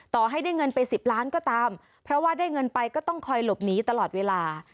ต่อให้ได้เงินไป๑๐ล้านก็ตามเพราะว่าได้เงินไปก็ต้องคอยหลบหนีตลอดเวลา